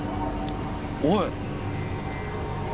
おい！